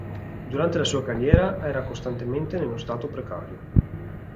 Durante la sua carriera, era costantemente nello stato precario.